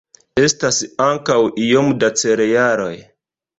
Estas ankaŭ iom da cerealoj.